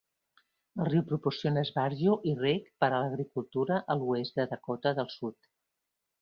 El riu proporciona esbarjo i rec per a l'agricultura a l'oest de Dakota del Sud.